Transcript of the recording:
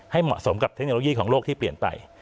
เหมาะสมกับเทคโนโลยีของโลกที่เปลี่ยนไป